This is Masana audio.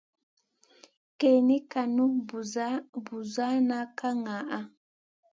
Kèwn kànu, buzuwan ka jaŋa.